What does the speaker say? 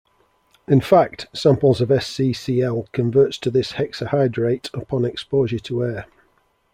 In fact, samples of ScCl converts to this hexahydrate upon exposure to air.